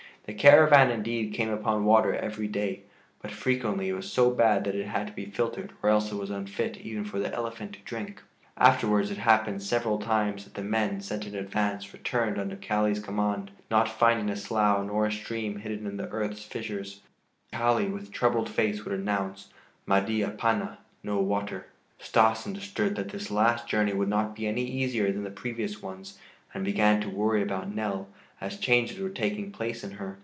The caravan indeed came upon water every day, but frequently it was so bad that it had to be filtered or else it was unfit even for the elephant to drink. Afterwards it happened several times that the men, sent in advance, returned under Kali's command, not finding a slough nor a stream hidden in the earth's fissures, and Kali with troubled face would announce: "Madi apana" (no water). Stas understood that this last journey would not be any easier than the previous ones and began to worry about Nell, as changes were taking place in her.